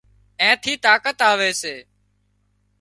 اين ٿي طاقت آوي سي